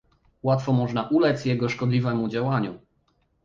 Łatwo można ulec jego szkodliwemu działaniu